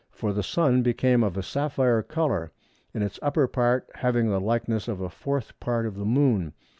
For the Sun became of a sapphire colour; in its upper part having the likeness of a fourth part of the Moon."